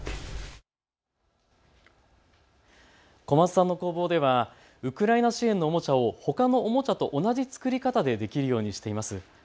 小松さんの工房ではウクライナ支援のおもちゃをほかのおもちゃと同じ作り方でできるようにしています。